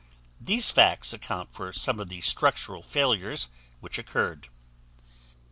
These facts account for some of the structural failures which occured.